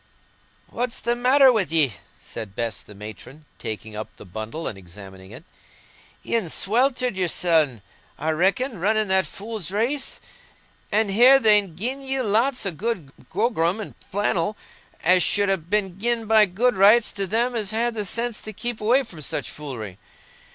"What's the matter wi' ye?" said Bess the matron, taking up the bundle and examining it. "Ye'n sweltered yoursen, I reckon, running that fool's race. An' here, they'n gi'en you lots o' good grogram and flannel, as should ha' been gi'en by good rights to them as had the sense to keep away from such foolery.